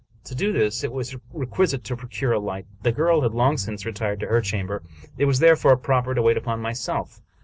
To do this, it was requisite to procure a light. The girl had long since retired to her chamber : it was therefore proper to wait upon myself.